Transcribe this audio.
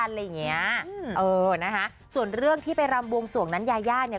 อะไรอย่างเงี้ยอืมเออนะคะส่วนเรื่องที่ไปรำบวงสวงนั้นยายาเนี่ย